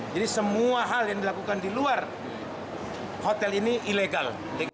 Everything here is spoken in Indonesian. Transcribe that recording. jadi semua hal yang dilakukan di luar hotel ini ilegal